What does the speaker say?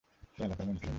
এই এলাকার মন্ত্রী উনি।